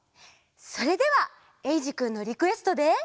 それではえいじくんのリクエストで。